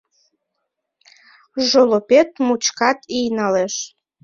Жолопет мучкат ий налеш.